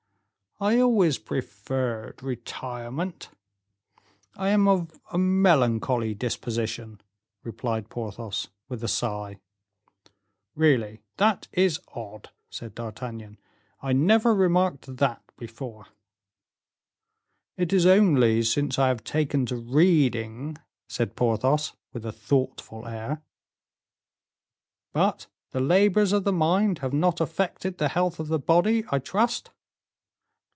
"I always preferred retirement. I am of a melancholy disposition," replied Porthos, with a sigh. "Really, that is odd," said D'Artagnan, "I never remarked that before." "It is only since I have taken to reading," said Porthos, with a thoughtful air. "But the labors of the mind have not affected the health of the body, I trust?"